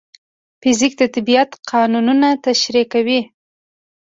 فزیک د طبیعت قانونونه تشریح کوي.